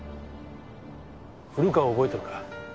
古川を覚えてるか？